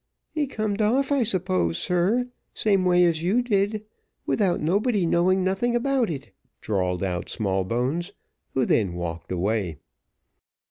"He cummed off, I suppose, sir, same way as you did, without nobody knowing nothing about it," drawled out Smallbones, who then walked away.